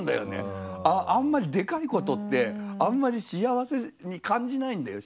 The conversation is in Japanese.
あんまりでかいことってあんまり幸せに感じないんだよ。